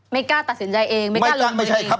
ไม่กล้าตัดสินใจเองไม่กล้าลงมือเองไม่ใช่ครับ